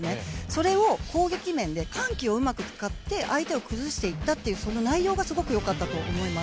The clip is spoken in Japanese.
それを攻撃面で緩急をうまく使って相手を崩していったという内容がすごくよかったと思います。